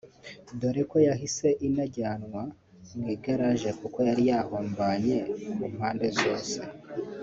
dore ko yahise inajyanwa mu igaraje kuko yari yahombanye ku mpande zose